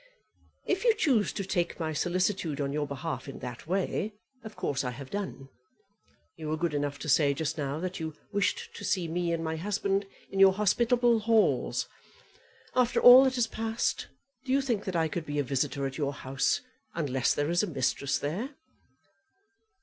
"If you choose to take my solicitude on your behalf in that way, of course I have done. You were good enough to say just now that you wished to see me and my husband in your hospitable halls. After all that has passed, do you think that I could be a visitor at your house unless there is a mistress there?"